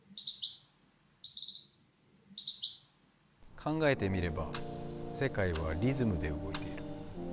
考えてみれば世界はリズムで動いている。